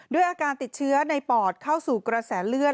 ด้วยอาการติดเชื้อในปอดเข้าสู่กระแสเลือด